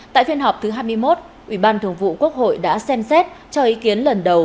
tại phiên họp thứ hai mươi một ủy ban thường vụ quốc hội đã xem xét cho ý kiến lần đầu